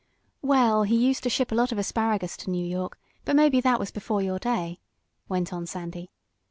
"Well, he used to ship a lot of asparagus to New York, but maybe that was before your day," went on Sandy.